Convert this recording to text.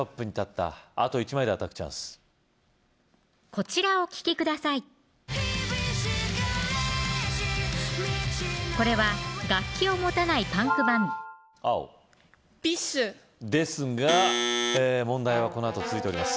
これは楽器を持たないパンクバン青ＢｉＳＨですが問題はこのあと続いております